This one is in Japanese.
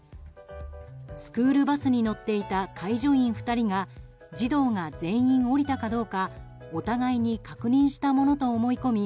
スクールバスに乗っていた介助員２人が児童が全員降りたかどうかお互いに確認したものと思い込み